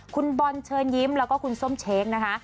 คุณบอลเชิญยิ้มแล้วก็คุณส้มเช้งนะคะ